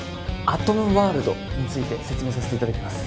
アトムワールドについて説明させていただきます